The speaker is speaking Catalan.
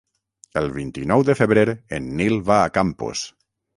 El vint-i-nou de febrer en Nil va a Campos.